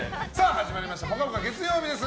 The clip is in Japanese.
始まりました「ぽかぽか」月曜日です。